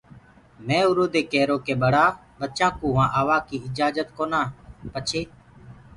مي اُرو دي ڪيرو ڪي ٻڙآ ٻچآنٚ ڪوُ وهآنٚ آوآڪيٚ اِجآجت ڪونآ پڇي